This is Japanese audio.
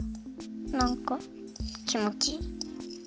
なんかきもちいい。